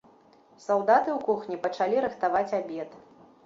Салдаты ў кухні пачалі рыхтаваць абед.